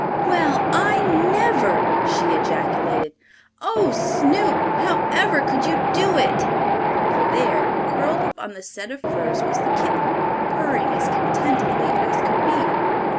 "Well, I never!" she ejaculated. "Oh, Snoop! however could you do it!" For there, curled up on the set of furs, was the kitten, purring as contentedly as could be.